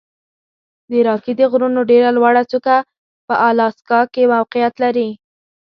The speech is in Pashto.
د راکي د غرونو ډېره لوړه څوکه په الاسکا کې موقعیت لري.